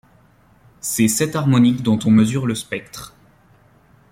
C'est cet harmonique dont on mesure le spectre.